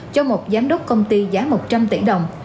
cho một giám đốc công ty giá một trăm linh tỷ đồng